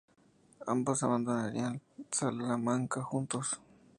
Ambos abandonarían Salamanca juntos.